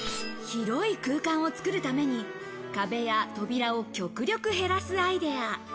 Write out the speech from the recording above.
広い空間を作るために、壁や扉を極力減らすアイデア。